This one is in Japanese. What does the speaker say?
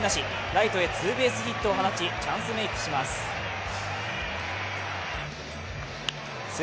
ライトへツーベースヒットを放ちチャンスメークします。